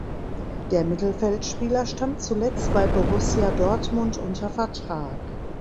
Der Mittelfeldspieler stand zuletzt bei Borussia Dortmund unter Vertrag.